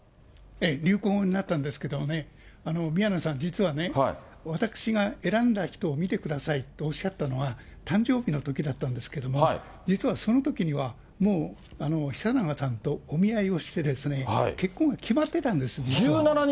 流行語になったんですけれどもね、宮根さん、実はね、私が選んだ人を見てくださいっておっしゃったのは誕生日のときだったんですけれども、実はそのときにはもう、久永さんとお見合いをして結婚が決まってたんです。